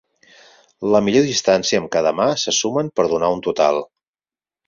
La millor distància amb cada mà se sumen per donar un total.